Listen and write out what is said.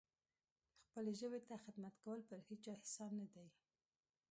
خپلې ژبې ته خدمت کول پر هیچا احسان نه دی.